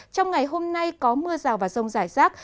trong ngày hôm nay có mưa rào và rông rải rác